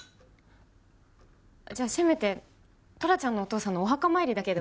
じゃあせめてトラちゃんのお父さんのお墓参りだけでも。